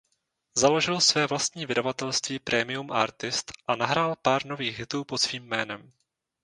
Založil své vlastní vydavatelství Premium Artist a nahrál pár nových hitů pod svým jménem.